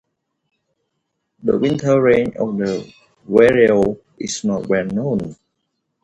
The winter range of this vireo is not well known.